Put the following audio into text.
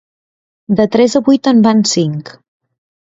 De tres a vuit en van cinc.